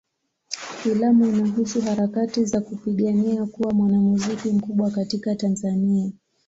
Filamu inahusu harakati za kupigania kuwa mwanamuziki mkubwa katika Tanzania.